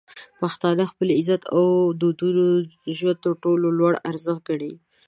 پښتانه خپل عزت او دودونه د ژوند تر ټولو لوړ ارزښت ګڼي.